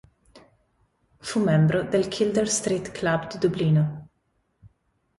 Fu membro del Kildare Street Club di Dublino.